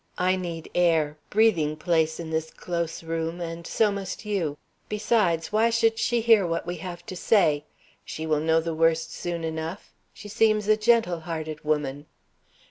I need air, breathing place in this close room, and so must you. Besides, why should she hear what we have to say? She will know the worst soon enough. She seems a gentle hearted woman."